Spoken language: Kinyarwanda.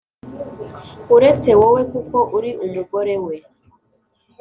uretse wowe kuko uri umugore we